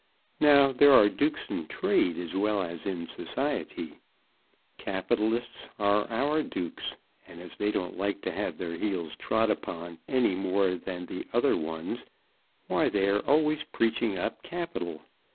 Now there are dukes in trade as well as in society. Capitalists are our dukes; and as they don't like to have their heels trod upon any more than the other ones, why they are always preaching up capital.